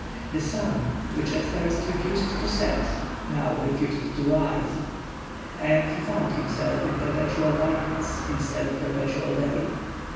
The sun, which at first refused to set, now refused to rise, and he found himself in perpetual darkness instead of perpetual day.